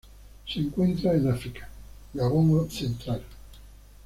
Se encuentran en África: Gabón central.